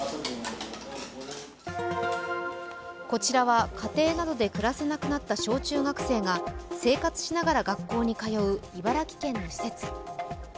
こちらは家庭などで暮らせなくなった小中学生が生活しながら学校に通う、茨城県の施設。